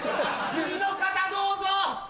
・次の方どうぞ！